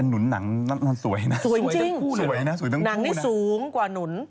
แต่หนุนหนังนั้นสวยนะสวยทั้งคู่นะสวยทั้งคู่นะสวยจริงหนังนี้สูงกว่าหนุน